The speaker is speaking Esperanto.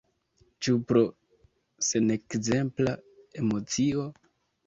Ĉu pro senekzempla emocio?